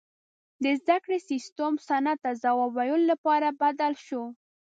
• د زدهکړې سیستم صنعت ته ځواب ویلو لپاره بدل شو.